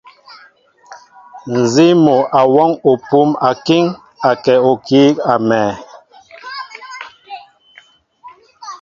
Nzi mol awɔŋ epum akiŋ, akɛ ohii amɛɛ.